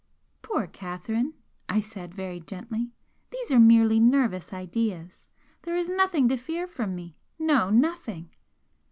"Poor Catherine!" I said, very gently "These are merely nervous ideas! There is nothing to fear from me no, nothing!"